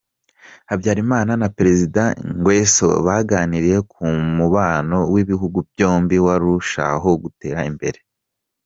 Habyalimana na Perezida N’Guesso baganiriye ku mubano w’ibihugu byombi warushaho gutera imbere.